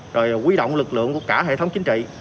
rồi quy động lực lượng của cả hệ thống chính trị